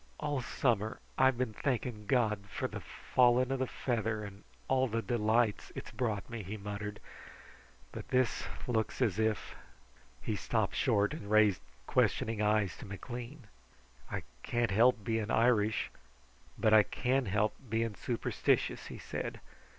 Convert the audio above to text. "All summer I've been thanking God for the falling of the feather and all the delights it's brought me," he muttered, "but this looks as if " He stopped short and raised questioning eyes to McLean. "I can't help being Irish, but I can help being superstitious," he said.